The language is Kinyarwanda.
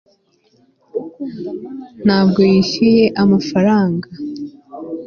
ntabwo yishyuye amafaranga